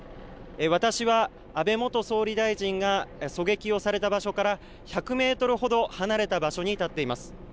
私は、安倍元総理大臣が狙撃をされた場所から１００メートルほど離れた場所に立っています。